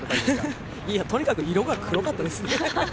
とにかく色が黒かったですね。